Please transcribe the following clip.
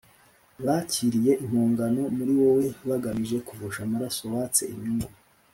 Bakiriye impongano muri wowe bagamije kuvusha amaraso Watse inyungu